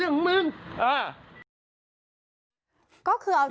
มึงนึกว่าข้ามเขาบ้าง